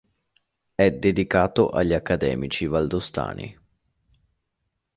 È dedicato agli accademici valdostani.